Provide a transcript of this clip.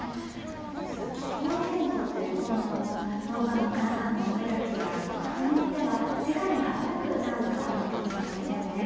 こうした気候変動という困難も農家の皆さんの努力や工夫によっては世界に羽ばたくチャンスとなるのかもしれませんね。